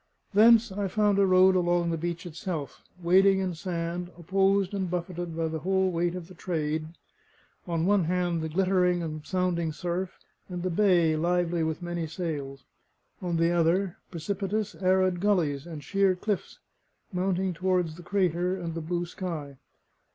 Thence I found a road along the beach itself, wading in sand, opposed and buffeted by the whole weight of the Trade: on one hand, the glittering and sounding surf, and the bay lively with many sails; on the other, precipitous, arid gullies and sheer cliffs, mounting towards the crater and the blue sky.